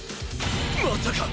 まさか！